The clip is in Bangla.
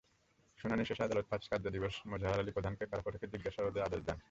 শুনানি শেষে আদালত পাঁচ কার্যদিবস মোজাহার আলী প্রধানকে কারাফটকে জিজ্ঞাসাবাদের আদেশ দেন।